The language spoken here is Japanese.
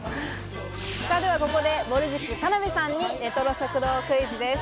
ではここで、ぼる塾・田辺さんにレトロ食堂クイズです。